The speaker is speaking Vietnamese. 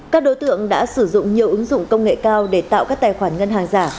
các đối tượng đã sử dụng nhiều ứng dụng công nghệ cao để tạo các tài khoản ngân hàng giả